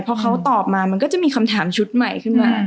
พอเขาตอบมามันก็จะมีคำถามชุดใหม่ขึ้นมา